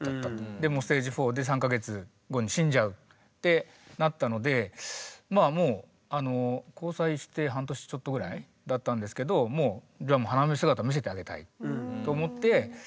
でもうステージ４で３か月後に死んじゃうってなったのでまあもう交際して半年ちょっとぐらいだったんですけどもうえ！